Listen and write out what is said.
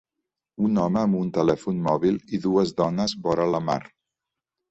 Un home amb un telèfon mòbil i dues dones vora la mar